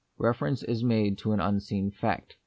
Reference is made to an unseen fact.